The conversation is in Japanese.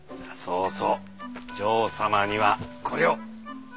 あそうそう嬢様にはこれを。